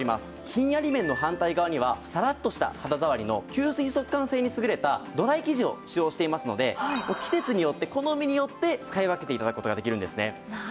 ひんやり面の反対側にはサラッとした肌触りの吸水速乾性に優れたドライ生地を使用していますので季節によって好みによって使い分けて頂く事ができるんですね。